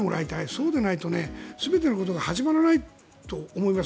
そうでないと全てのことが始まらないと思います。